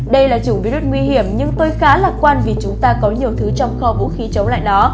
đây là chủng virus nguy hiểm nhưng tôi khá lạc quan vì chúng ta có nhiều thứ trong kho vũ khí chống lại nó